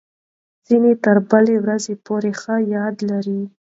ځینې تر بلې ورځې پورې ښه یاد لري.